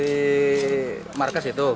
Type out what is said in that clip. di markas itu